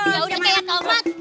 ya udah kayak kau mak